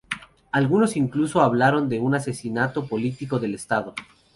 Algunos incluso hablaron de un asesinato político del Estado.